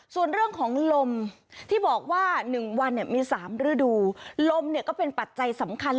ส่วนเรื่องของลมที่บอกว่า๑วันมี๓ฤดูลมเนี่ยก็เป็นปัจจัยสำคัญ